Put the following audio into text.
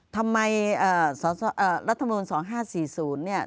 ทำไมรัฐมนูล๒๕๔๐เนี่ย